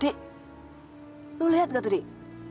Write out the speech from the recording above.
dik lu liat gak tuh dik